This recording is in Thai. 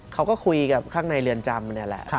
เขาก็คุยกับข้างในเรือนจำนี่แหละ